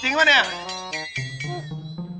จริงป่ะเนียะ